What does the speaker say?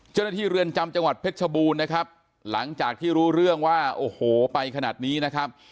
เรือนจำจังหวัดเพชรชบูรณ์นะครับหลังจากที่รู้เรื่องว่าโอ้โหไปขนาดนี้นะครับ